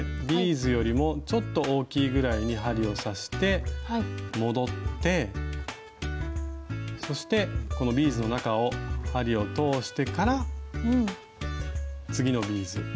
ビーズよりもちょっと大きいぐらいに針を刺して戻ってそしてこのビーズの中を針を通してから次のビーズ。